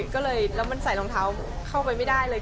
ก็เลยแล้วมันใส่รองเท้าเข้าไปไม่ได้เลย